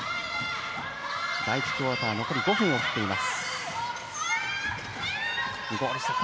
第１クオーター残り５分を切っています。